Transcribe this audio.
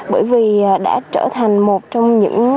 bởi vì đã trở thành một trong những